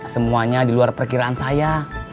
semuanya di luar perkiraan saya